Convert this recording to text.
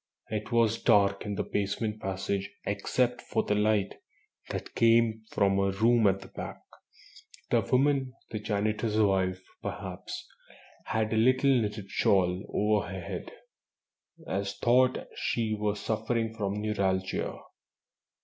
It was dark in the basement passage except for the light that came from a room at the back. The woman the janitor's wife, perhaps had a little knitted shawl over her head, as though she were suffering from neuralgia.